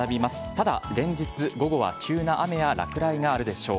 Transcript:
ただ連日午後は急な雨や落雷があるでしょう。